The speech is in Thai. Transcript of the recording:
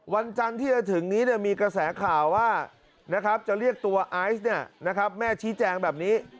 วันจันทร์ที่จะถึงนี้มีกระแสข่าวว่าจะเรียกตัวไอซ์แม่ชี้แจงแบบนี้